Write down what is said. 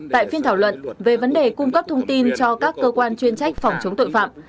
tại phiên thảo luận về vấn đề cung cấp thông tin cho các cơ quan chuyên trách phòng chống tội phạm